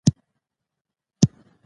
هغه مهال د انګریزۍ خلاف مبارزه روانه وه.